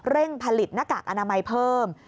ผลิตหน้ากากอนามัยเพิ่ม